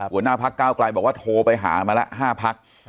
หัวหน้าพักก้าวไกลบอกว่าโทรไปหามาละ๕พัก